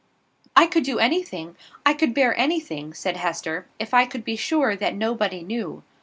"I could do anything, I could bear anything," said Hester, "if I could be sure that nobody knew.